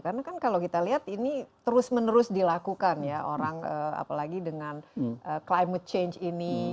karena kan kalau kita lihat ini terus menerus dilakukan ya orang apalagi dengan climate change ini